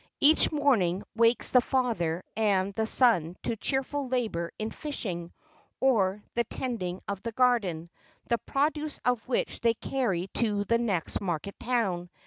Each morning wakes the father and the son to cheerful labour in fishing, or the tending of a garden, the produce of which they carry to the next market town.